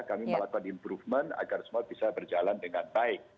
kami melakukan improvement agar semua bisa berjalan dengan baik